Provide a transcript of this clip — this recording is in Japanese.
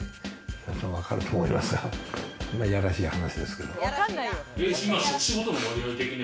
皆さん分かると思いますが、いやらしい話ですけれども。